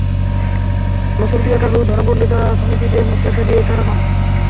বছর দু-এক আগেও ধরা পড়লে তারা সমিতিতে মুচলেকা দিয়ে ছাড়া পান।